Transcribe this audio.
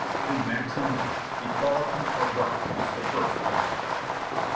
His maxim was, "Equality of rights is the first of rights."